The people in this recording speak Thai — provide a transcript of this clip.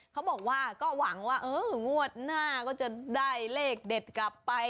เขาบอกว่าก็หวังว่าเอองวดหน้าก็จะได้เลขเด็ดกลับไป